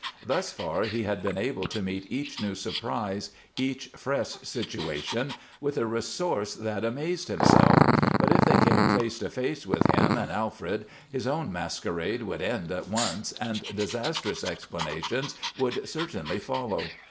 Thus far he had been able to meet each new surprise, each fresh situation, with a resource that amazed himself, but if they came face to face with him and Alfred, his own masquerade would end at once and disastrous explanations would certainly follow.